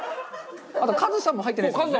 あとカズさんも入ってないですよね？